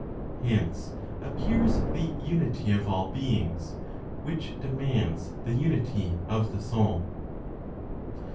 Hence appears the unity of all beings, which demands the unity of the Soul.